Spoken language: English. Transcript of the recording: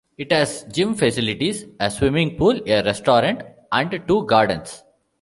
It has gym facilities, a swimming pool, a restaurant and two gardens.